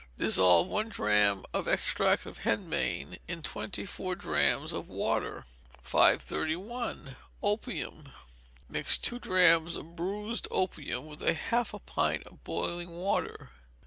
Dissolve one drachm of extract of henbane in twenty four drachms of water. 531. Opium. Mix two drachms of bruised opium with haif a pint of boiling water.